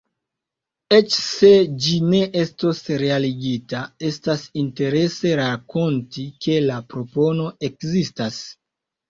Eĉ se ĝi ne estos realigita, estas interese rakonti, ke la propono ekzistas.